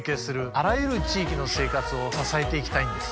あらゆる地域の生活を支えていきたいんです。